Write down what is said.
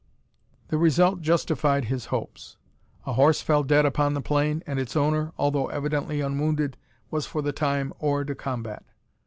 The result justified his hopes. A horse fell dead upon the plain, and its owner, although evidently unwounded, was for the time hors de combat.